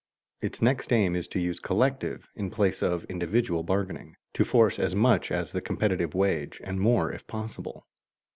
_Its next aim is to use collective in the place of individual bargaining, to force as much as the competitive wage, and more if possible.